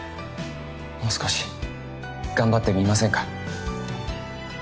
もう少し頑張ってみませんか？